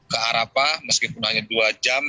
ke arapah meskipun hanya dua jam